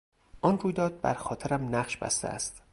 آن رویداد بر خاطرم نقش بسته است.